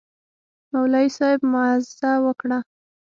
مولوي صاحب موعظه وکړه.